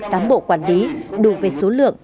tám bộ quản lý đủ về số lượng